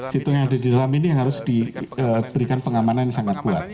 situng yang ada di dalam ini harus diberikan pengamanan yang sangat kuat